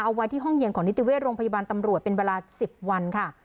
เอาไว้ที่ห้องเย็นของนิติเวชโรงพยาบาลตำรวจเป็นเวลา๑๐วันค่ะ